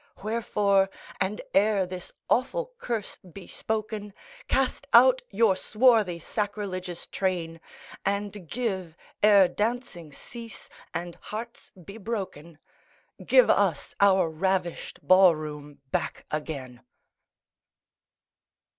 Whereforeâand ere this awful curse be spoken, Cast out your swarthy, sacrilegious train, And giveâere dancing cease and hearts be brokenâ Give us our ravished ball room back again!